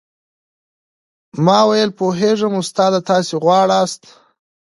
ما وويل پوهېږم استاده تاسې غواړاست.